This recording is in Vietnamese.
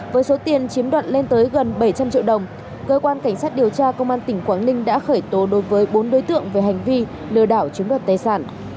với số tiền chiếm đoạt lên tới gần bảy trăm linh triệu đồng cơ quan cảnh sát điều tra công an tỉnh quảng ninh đã khởi tố đối với bốn đối tượng về hành vi lừa đảo chiếm đoạt tài sản